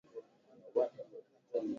Akuna muntu ana weza ku ishi pashipo ku rima